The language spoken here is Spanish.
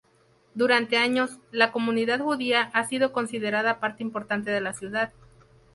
Durante años, la comunidad judía ha sido considerada parte importante de la ciudad.